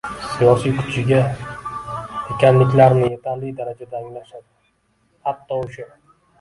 siyosiy kuchiga ega ekanliklarini yetarli darajada anglashadi, hatto o‘sha